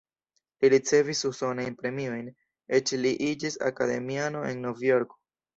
Li ricevis usonajn premiojn, eĉ li iĝis akademiano en Novjorko.